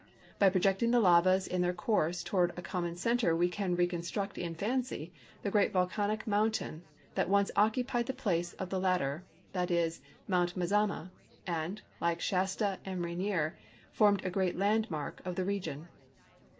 By projecting the lavas in their course toward a common center we can reconstruct in fancy the great volcanic mountain that once occupied the place of the latter— that is, Mount Mazama— and, like Shasta or Rainier, 42 CRATER LAKE, OREGON formed a great landmark of the region.